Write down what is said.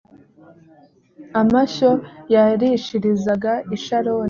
amashyo yarishirizaga i sharoni